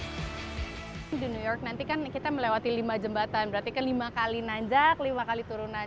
di new york nanti kan kita melewati lima jembatan berarti ke lima kali najak lima kali turunan